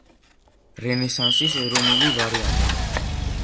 რენესანსის ეროვნული ვარიანტი.